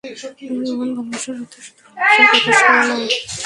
রোহান, ভালবাসার অর্থ শুধু, ভালবাসা প্রকাশ করা নয়।